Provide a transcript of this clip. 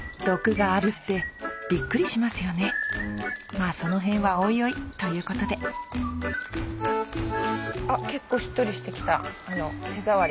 まあその辺はおいおいということであ結構しっとりしてきた手触りが。